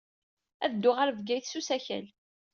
Ad dduɣ ɣer Bgayet s usakal.